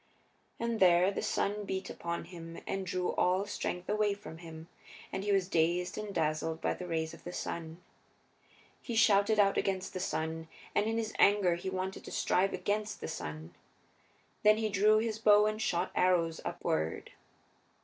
And there the sun beat upon him, and drew all strength away from him, and he was dazed and dazzled by the rays of the sun. He shouted out against the sun, and in his anger he wanted to strive against the sun. Then he drew his bow and shot arrows upward.